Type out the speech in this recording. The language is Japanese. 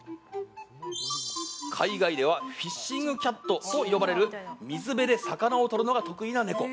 海外ではフィッシングキャットと呼ばれる水辺で魚をとるのが得意なネコ。